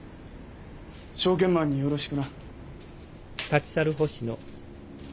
証券マンによろしくな。